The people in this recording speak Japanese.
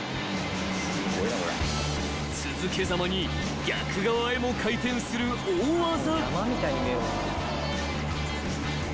［続けざまに逆側へも回転する大技］